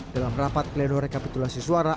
dalam rapat klenore kapitulasi suara